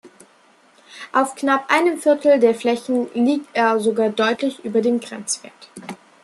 Auf knapp einem Viertel der Flächen liegt er sogar deutlich über dem Grenzwert.